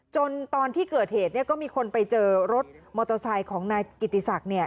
ตอนที่เกิดเหตุก็มีคนไปเจอรถมอเตอร์ไซค์ของนายกิติศักดิ์